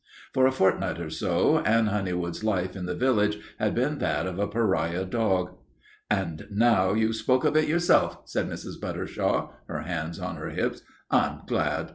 For a fortnight or so Anne Honeywood's life in the village had been that of a pariah dog. "And now you've spoke of it yourself," said Mrs. Buttershaw, her hands on her hips, "I'm glad.